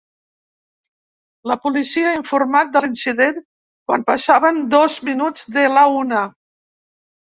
La policia ha informat de l’incident quan passaven dos minuts de la una.